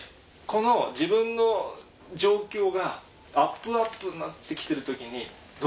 自分の状況がアップアップになって来てる時にどうするか。